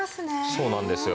そうなんですよ。